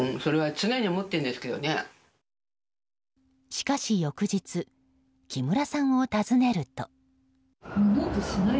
しかし翌日木村さんを訪ねると。